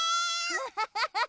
ハハハハハ。